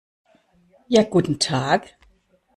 Ja, guten Tag!